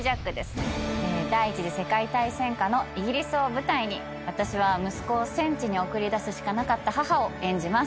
第１次世界大戦下のイギリスを舞台に私は息子を戦地に送り出すしかなかった母を演じます。